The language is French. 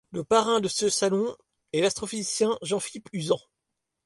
Le Parrain de ce salon est l'astrophysicien Jean-Philippe Uzan.